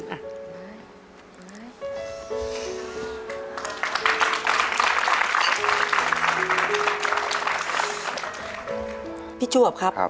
เจ้าชายครับ